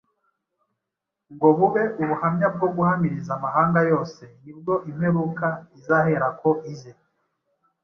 ngo bube ubuhamya bwo guhamiriza amahanga yose: ni bwo imperuka izaherako ize